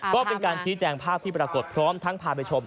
ก็เป็นการชี้แจงภาพที่ปรากฏพร้อมทั้งพาไปชม